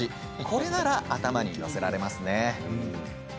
これなら頭に載せられますね。